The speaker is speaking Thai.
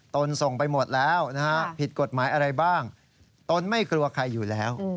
ตนส่งไปหมดแล้วนะฮะผิดกฎหมายอะไรบ้างตนไม่กลัวใครอยู่แล้ว